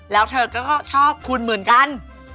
แล้วเธอก็ชอบคุณเหมือนกัน